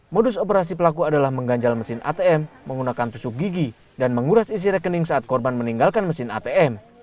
modus operasi pelaku adalah mengganjal mesin atm menggunakan tusuk gigi dan menguras isi rekening saat korban meninggalkan mesin atm